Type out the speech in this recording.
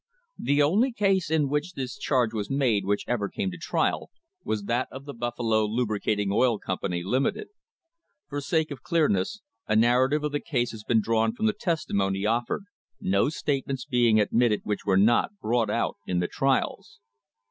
The only case in which this charge was made which ever came to trial was that of the Buffalo Lubricating Oil Company, Limited. For sake of clearness, a narrative of the case has been drawn from the testimony of fered, no statements being admitted which were not brought out in the trials.